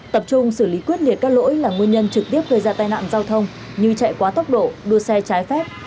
tập trung xử lý quyết liệt các lỗi là nguyên nhân trực tiếp gây ra tai nạn giao thông như chạy quá tốc độ đua xe trái phép